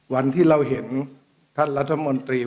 วันที่เราเห็นท่านรัฐมนตรี